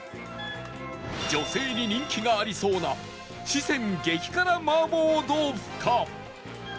女性に人気がありそうな四川激辛麻婆豆腐か？